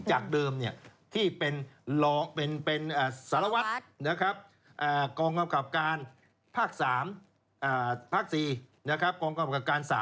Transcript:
จากเดิมที่เป็นสารวัตรกรกรกรกรกรกรการภาค๓ภาค๔